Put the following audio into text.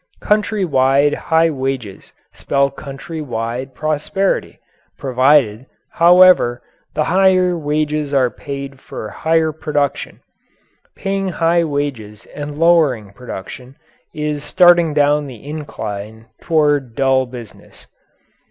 Country wide high wages spell country wide prosperity, provided, however, the higher wages are paid for higher production. Paying high wages and lowering production is starting down the incline toward dull business.